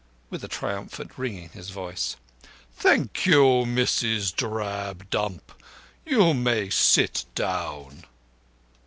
(with a triumphant ring in his voice): "Thank you, Mrs. Drabdump. You may sit down."